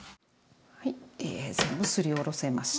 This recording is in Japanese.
はい全部すりおろせました。